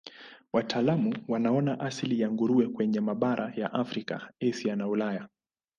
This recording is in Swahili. Wataalamu wanaona asili ya nguruwe kwenye mabara ya Afrika, Asia na Ulaya.